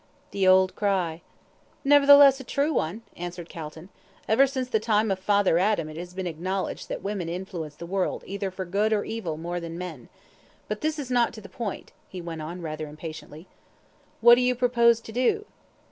"The old cry." "Nevertheless a true one," answered Calton. "Ever since the time of Father Adam it has been acknowledged that women influence the world either for good or evil more than men. But this is not to the point," he went on, rather impatiently. "What do you propose to do?"